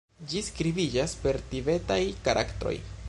Ĝi skribiĝas per tibetaj karaktroj.